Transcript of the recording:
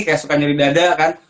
kayak suka nyeri dada kan